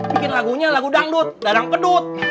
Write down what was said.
bikin lagunya lagu dangdut larang pedut